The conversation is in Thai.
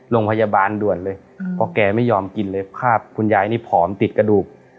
โรงพยาบาลด่วนเลยเพราะแกไม่ยอมกินเลยภาพคุณยายนี่ผอมติดกระดูก